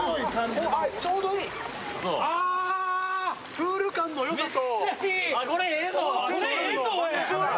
プール感のよさと。